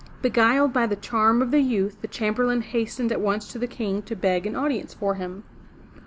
Beguiled by the charm of the youth the Chamberlain hastened at once to the King to beg an audience for him.